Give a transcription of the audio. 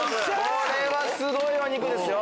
これはすごいお肉ですよ。